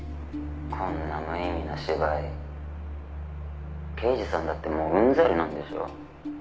「こんな無意味な芝居刑事さんだってもううんざりなんでしょ？」